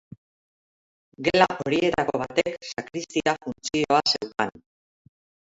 Gela horietako batek sakristia funtzioa zeukan.